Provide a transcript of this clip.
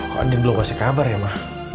kok andi belum kasih kabar ya ma